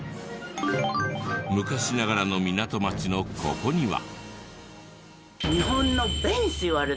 昔ながらの港町のここには。